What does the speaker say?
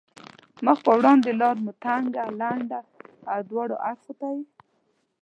مخ په وړاندې لار مو تنګه، لنده او دواړو اړخو ته یې.